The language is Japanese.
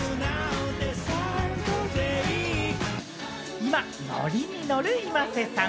今ノリにノルｉｍａｓｅさん。